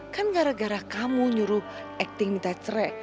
kan gara gara kamu nyuruh acting minta cerek